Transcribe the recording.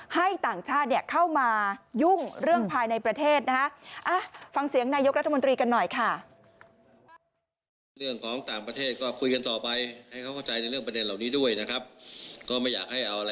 ให้ต่างชาติเข้ามายุ่งเรื่องภายในประเทศนะฮะ